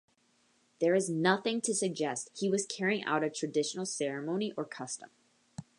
There is nothing to suggest he was carrying out a traditional ceremony or custom.